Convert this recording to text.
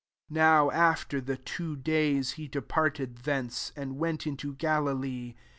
43 NOW, after the two days, he departed thence, [and went] into Galilee.